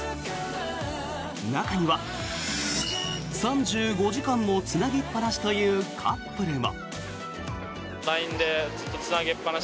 中には３５時間もつなぎっぱなしというカップルも。